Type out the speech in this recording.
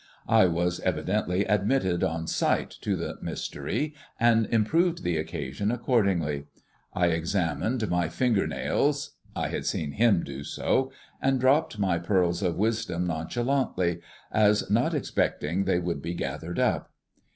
I was evidently admitted on sight to the mystery, and improved the occasion accordingly. I examined my finger nails I had seen him do so and dropped my pearls of wisdom nonchalantly, as not expecting they would be gathered up.